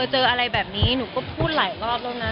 เจออะไรแบบนี้หนูก็พูดหลายรอบแล้วนะ